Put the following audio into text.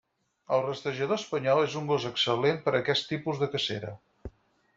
El rastrejador espanyol és un gos excel·lent per a aquest tipus de cacera.